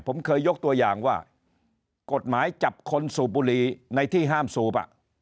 ผมเคยยกตัวอย่างว่ากฎหมายจับคนสูบบุหรี่ในที่ห้ามสูบ